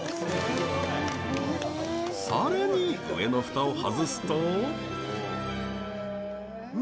さらに上のふたを外すと。